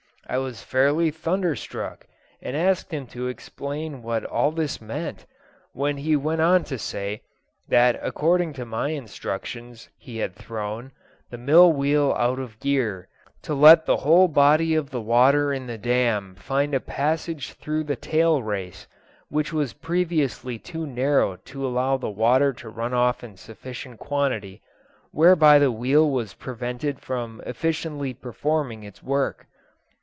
I was fairly thunderstruck, and asked him to explain what all this meant, when he went on to say, that, according to my instructions, he had thrown, the mill wheel out of gear, to let the whole body of the water in the dam find a passage through the tail race, which was previously too narrow to allow the water to run off in sufficient quantity, whereby the wheel was prevented from efficiently performing its work.